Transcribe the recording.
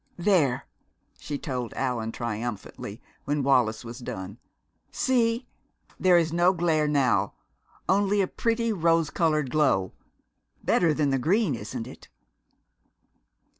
"There!" she told Allan triumphantly when Wallis was done. "See, there is no glare now; only a pretty rose colored glow. Better than the green, isn't it?"